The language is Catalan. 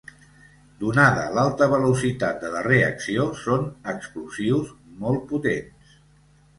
Donada l'alta velocitat de la reacció són explosius molt potents.